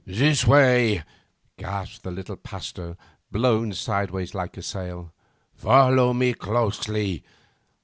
'This way,' gasped the little Pasteur, blown sideways like a sail; 'follow me closely.